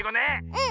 うん！